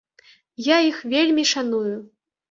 Я іх вельмі шаную.